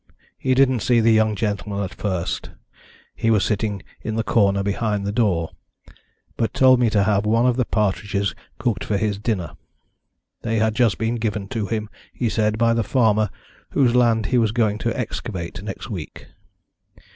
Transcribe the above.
He didn't see the young gentleman at first he was sitting in the corner behind the door but told me to have one of the partridges cooked for his dinner. They had just been given to him, he said, by the farmer whose land he was going to excavate next week.